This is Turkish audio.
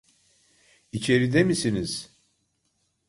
İçeride misiniz?